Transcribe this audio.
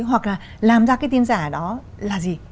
hoặc là làm ra cái tin giả đó là gì